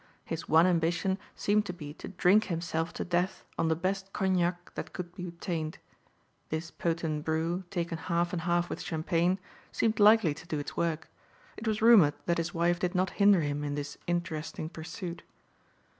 His one ambition seemed to be to drink himself to death on the best cognac that could be obtained. This potent brew, taken half and half with champagne, seemed likely to do its work. It was rumored that his wife did not hinder him in this interesting pursuit.